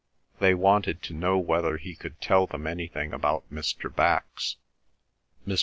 They wanted to know whether he could tell them anything about Mr. Bax. Mr.